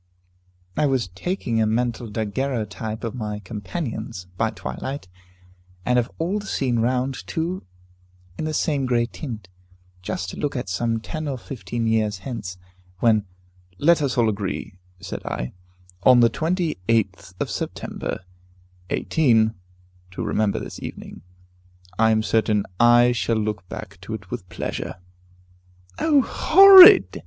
"I was taking a mental daguerreotype of my companions, by twilight, and of all the scene round, too, in the same grey tint, just to look at some ten or fifteen years hence, when " "Let us all three agree," said I, "on the 28th of September, 18 , to remember this evening. I am certain I shall look back to it with pleasure." "O horrid!"